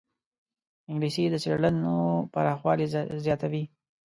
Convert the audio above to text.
انګلیسي د څېړنو پراخوالی زیاتوي